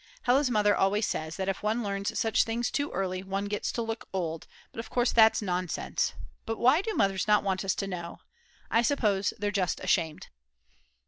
Hella's mother always says that if one learns such things too early one gets to look old; but of course that's nonsense. But why do mothers not want us to know? I suppose they're just ashamed.